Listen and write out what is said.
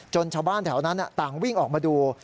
ชาวบ้านแถวนั้นต่างวิ่งออกมาดู